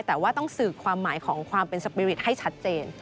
แต่ว่าต้องสื่อความหมายของความเป็นสปีริตให้ชัดเจน